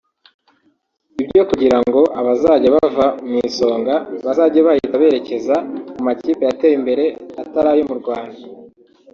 Ibyo kugirango abazajya bava mu Isonga bazajye bahita berekeza mu makipe yateye imbere atari ayo mu Rwanda